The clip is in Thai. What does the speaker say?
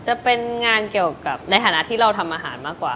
จะเป็นงานเกี่ยวกับในฐานะที่เราทำอาหารมากกว่า